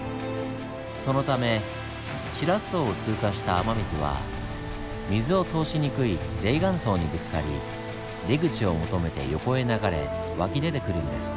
そのためシラス層を通過した雨水は水を通しにくい泥岩層にぶつかり出口を求めて横へ流れ湧き出てくるんです。